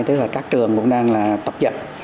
tức là các trường cũng đang là tập vật